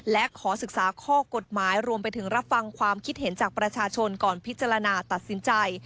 และขอศึกษาข้อกฎหมายรวมไปถึงรับฟังความคิดเห็นจากประชาชนก่อนพิจารณาตัดสินใจ